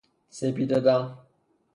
سپید دم